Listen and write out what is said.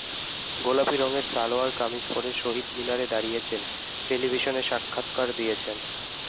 গোলাপি রঙের সালোয়ার কামিজ পরে শহীদ মিনারে দাঁড়িয়েছেন, টেলিভিশনে সাক্ষাৎকার দিয়েছেন।